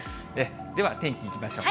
では天気いきましょう。